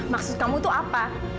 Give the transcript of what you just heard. maksud kamu tuh apa